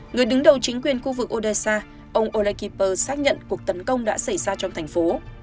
người đứng đầu chính quyền khu vực odessa ông olekiper xác nhận cuộc tấn công đã xảy ra trong thành phố